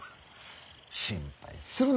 心配するな。